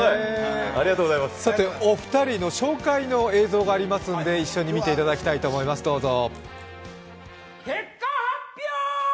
さてお二人の紹介の映像がございますんで一緒に見ていただきたいと思います、どうぞ。